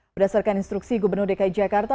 berdasarkan instruksi gubernur dki jakarta